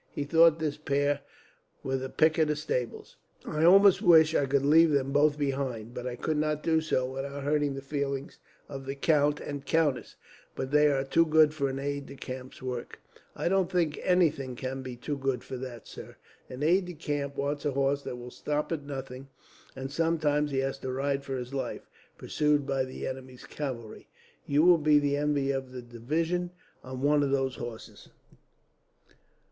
He thought this pair were the pick of the stables." "I almost wish I could leave them both behind, but I could not do so without hurting the feelings of the count and countess. But they are too good for an aide de camp's work." "I don't think anything can be too good for that, sir. An aide de camp wants a horse that will stop at nothing; and sometimes he has to ride for his life, pursued by the enemy's cavalry. You will be the envy of the division, on one of those horses."